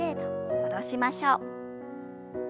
戻しましょう。